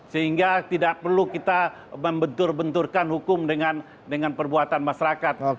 sehingga tidak perlu kita membentur benturkan hukum dengan perbuatan masyarakat